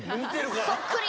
そっくりや！